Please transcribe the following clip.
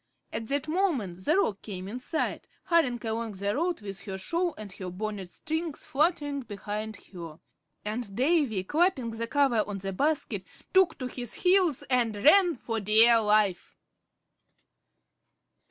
At that moment the Roc came in sight, hurrying along the road with her shawl and her bonnet strings fluttering behind her; and Davy, clapping the cover on the basket, took to his heels and ran for dear life.